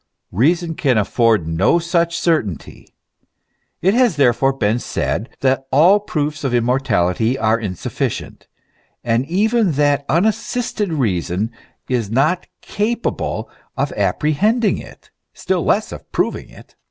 Reason can afford no such certainty. It has therefore been said that all proofs of immortality are insufficient, and even that unassisted reason is not capable of apprehending it, still less of proving it.